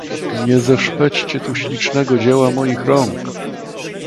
"Nie zeszpećcie tu ślicznego dzieła moich rąk!"